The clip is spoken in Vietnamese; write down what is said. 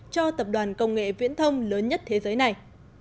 cho tập đoàn công nghệ viễn thông lớn nhất thế giới này